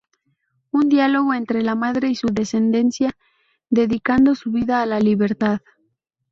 Un diálogo entre la madre y su descendencia dedicando su vida a la libertad.